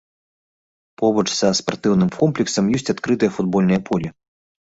Побач са спартыўным комплексам ёсць адкрытае футбольнае поле.